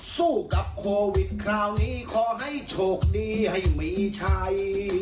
สู้กับโควิดคราวนี้ขอให้โชคดีให้มีชัย